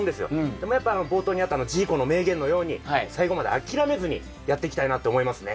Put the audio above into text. でもやっぱ冒頭にあったあのジーコの名言のように最後まであきらめずにやっていきたいなって思いますね。